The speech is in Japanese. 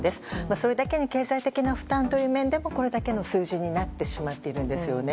それだけに経済的な負担という面でもこれだけの数字になってしまっているんですね。